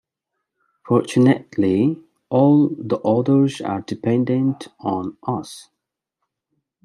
Fortunately, all the others are dependent on us.